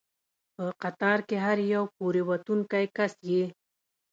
په قطار کې هر یو پورې ووتونکی کس یې.